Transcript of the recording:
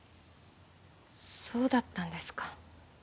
そうだったんですか。